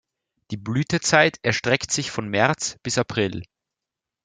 Die Blütezeit erstreckt sich von März bis April.